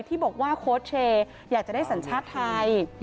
ที่บอกว่าโค้ชเชย์อยากจะได้สัญชาติไทย